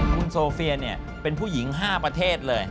คุณโซเฟียเป็นผู้หญิง๕ประเทศเลย